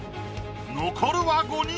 残るは５人。